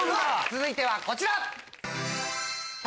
続いてはこちら！